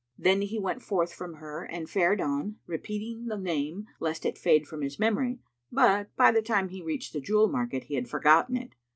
Then he went forth from her and fared on, repeating the name, lest it fade from his memory; but, by the time he reached the jewel market, he had forgotten it.